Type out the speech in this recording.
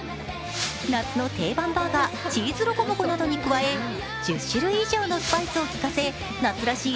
夏の定番バーガー、チーズロコモコなどに加え１０種類以上のスパイスをきかせ夏らしい